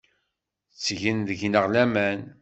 Ttgen deg-neɣ laman.